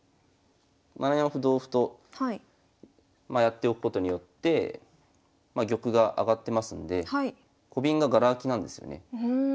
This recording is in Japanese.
７四歩同歩とやっておくことによって玉が上がってますんでコビンががら空きなんですよね。